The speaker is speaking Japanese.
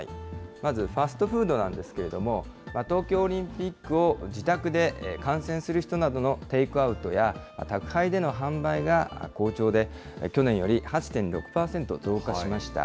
まずファストフードなんですけれども、東京オリンピックを自宅で観戦する人などのテイクアウトや、宅配での販売が好調で、去年より８．６％増加しました。